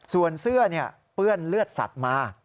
ส่วนเสื้อเปื้อนเลือดสัตว์มา